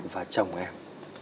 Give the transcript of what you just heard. và chồng em